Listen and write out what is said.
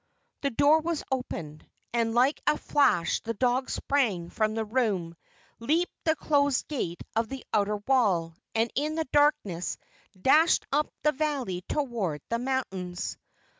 The door was opened, and like a flash the dog sprang from the room, leaped the closed gate of the outer wall, and in the darkness dashed up the valley toward the mountains.